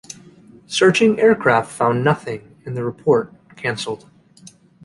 Searching aircraft found nothing and the report cancelled.